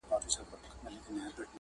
تا ولي هر څه اور ته ورکړل د یما لوري.